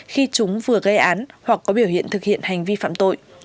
khi chúng vừa gây án hoặc có biểu hiện thực hiện hành vi phạm tội